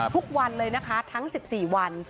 ทุกวันเลยนะคะทั้ง๑๔วัน